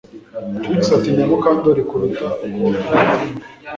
Trix atinya Mukandoli kuruta uko amutinya